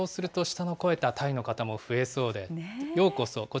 そうすると舌の肥えたタイの方も増えそうで。